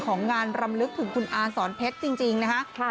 ของงานรำลึกถึงคุณอาสอนเพชรจริงนะคะ